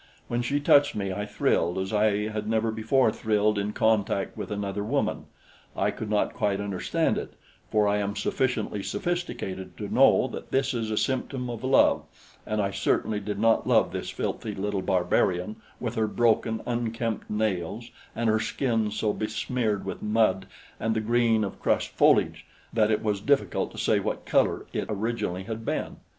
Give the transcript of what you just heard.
When she touched me, I thrilled as I had never before thrilled in contact with another woman. I could not quite understand it, for I am sufficiently sophisticated to know that this is a symptom of love and I certainly did not love this filthy little barbarian with her broken, unkempt nails and her skin so besmeared with mud and the green of crushed foliage that it was difficult to say what color it originally had been.